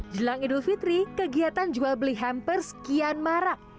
jelang idul fitri kegiatan jual beli hamper sekian marak